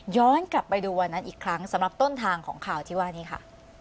กลับไปดูวันนั้นอีกครั้งสำหรับต้นทางของข่าวที่ว่านี้ค่ะ